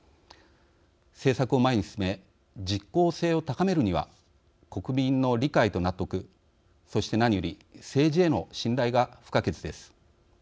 政策を前に進め実効性を高めるには国民の理解と納得そして何より政治への信頼が不可欠です。